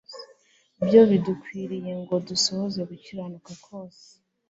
byo bidukwiriye ngo dusohoze gukiranuka kose